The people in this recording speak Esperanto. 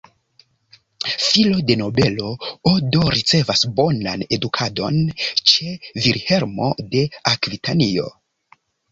Filo de nobelo, Odo ricevas bonan edukadon ĉe Vilhelmo de Akvitanio.